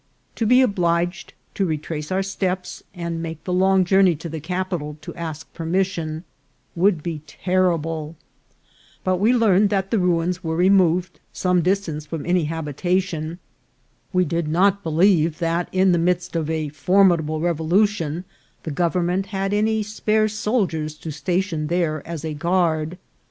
To be obliged to retrace our steps, and make the long journey to the capital to ask permission, would be terrible ; but we learned that the ruins were removed some distance from any habitation ; we did not believe that, in the midst of a formidable revolution, the gov ernment had any spare soldiers to station there as a guard.